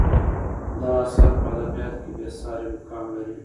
دا اثر په ادبیاتو کې بې سارې مقام لري.